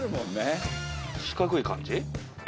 四角い感じ？